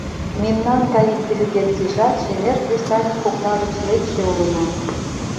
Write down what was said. Мемнан гай интеллигенцийжат шемер кресаньык кокла гыч лекше улына.